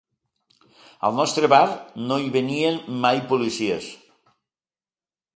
Al nostre bar no hi venien mai policies.